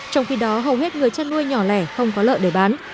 trong khi đó hầu hết người chăn nuôi nhỏ lẻ không có lợn để bán